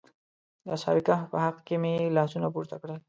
د اصحاب کهف په حق کې مې لاسونه پورته کړل.